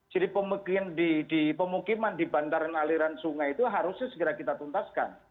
jadi pemukiman di bandaran aliran sungai itu harusnya segera kita tuntaskan